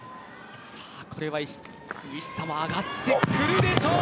これは西田も上がってくるでしょう。